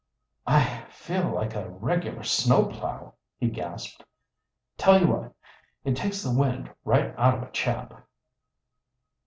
"I feel like a regular snow plow," he gasped. "Tell you what, it takes the wind right out of a chap."